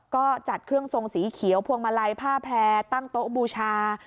ก็จัดเครื่องทรงสีเขียวพวงมาลัยผ้าแพร่ตั้งโต๊ะบูชา